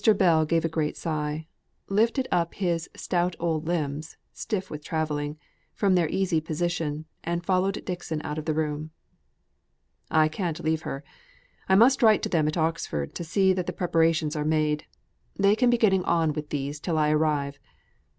Bell gave a great sigh; lifted up his stout old limbs (stiff with travelling) from their easy position, and followed Dixon out of the room. "I can't leave her. I must write to them at Oxford, to see that the preparations are made: they can be getting on with these till I arrive.